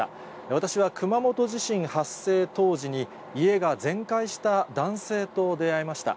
私は熊本地震発生当時に、家が全壊した男性と出会いました。